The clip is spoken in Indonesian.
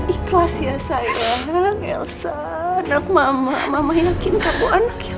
aku gak akan maafin mereka